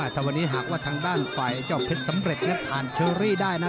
ถ้าวันนี้หากว่าทางด้านฝ่ายเจ้าเพชรสำเร็จผ่านเชอรี่ได้นะ